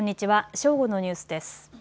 正午のニュースです。